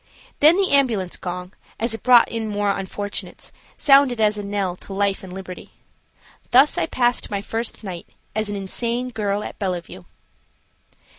Then the ambulance gong, as it brought in more unfortunates, sounded as a knell to life and liberty. Thus I passed my first night as an insane girl at Bellevue.